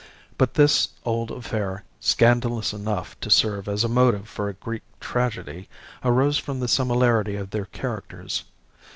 But this old affair, scandalous enough to serve as a motive for a Greek tragedy, arose from the similarity of their characters.